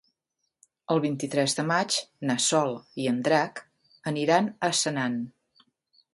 El vint-i-tres de maig na Sol i en Drac aniran a Senan.